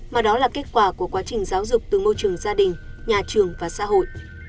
mà đó là kết quả của quá trình giáo dục từ môi trường gia đình nhà trường và xã hội